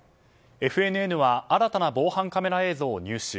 ＦＮＮは新たな防犯カメラ映像を入手。